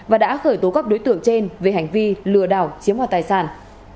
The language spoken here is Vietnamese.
và đã khởi tố các đối tượng trên về hành vi lừa đảo chiếm hòa tài sản